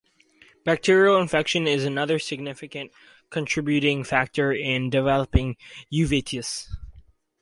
Bacterial infection is another significant contributing factor in developing uveitis.